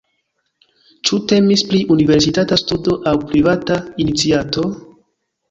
Ĉu temis pri universitata studo aŭ privata iniciato?